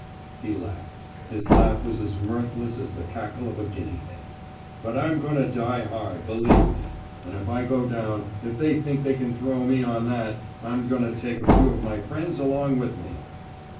He laughed. His laugh was as mirthless as the cackle of a guinea hen. "But I'm going to die hard, believe me! And if I go down, if they think they can throw me on that, I'm going to take a few of my friends along with me."